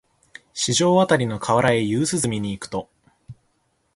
四条あたりの河原へ夕涼みに行くと、